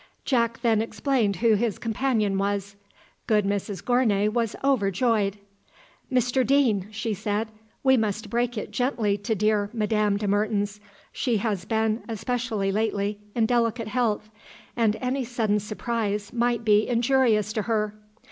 Jack then explained who his companion was. Good Mrs Gournay was overjoyed. "Mr Deane," she said, "we must break it gently to dear Madame de Mertens. She has been, especially lately, in delicate health, and any sudden surprise might be injurious to her.